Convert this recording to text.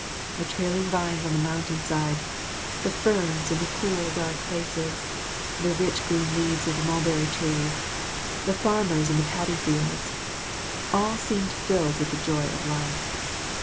The trailing vines on the mountain side, the ferns in the cool dark places, the rich green leaves of the mulberry trees, the farmers in the paddy fields, all seemed filled with the joy of life.